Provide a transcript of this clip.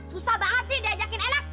susah banget sih diajakin enak